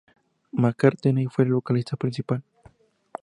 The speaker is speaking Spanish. McCartney fue el vocalista principal.